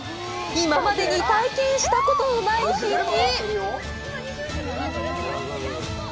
今までに体験したことのない引き。